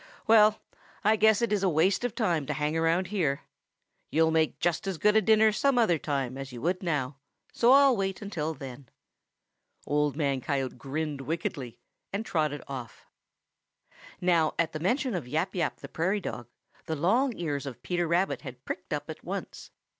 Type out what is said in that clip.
Well, I guess it is a waste of time to hang around here. You'll make just as good a dinner some other time as you would now, so I'll wait until then." Old Man Coyote grinned wickedly and trotted off. Now at the mention of Yap Yap the Prairie Dog, the long ears of Peter Rabbit had pricked up at once.